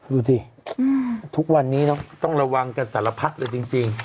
ดูสิทุกวันนี้เนอะต้องระวังกันสารพัดเลยจริง